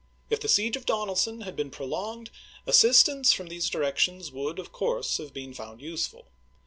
If the siege of Donelson had been pro longed, assistance from these directions would, of course, have been found useful.